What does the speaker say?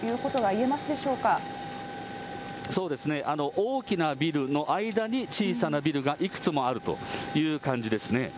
大きなビルの間に小さなビルがいくつもあるという感じですね。